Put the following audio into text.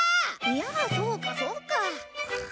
いやあそうかそうか！